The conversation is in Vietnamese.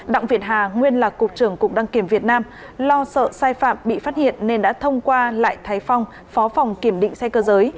đặng việt hà nguyên là cục trưởng cục đăng kiểm việt nam lo sợ sai phạm bị phát hiện nên đã thông qua lại thái phong phó phòng kiểm định xe cơ giới